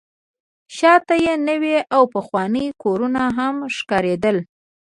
شاته یې نوي او پخواني کورونه هم ښکارېدل.